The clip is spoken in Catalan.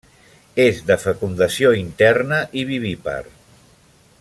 És de fecundació interna i vivípar.